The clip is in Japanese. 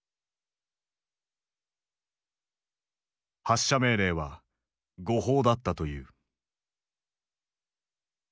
発射命令は誤報だったという。